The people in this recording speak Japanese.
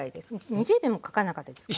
２０秒もかかんなかったですかね。